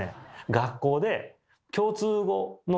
学校で共通語のね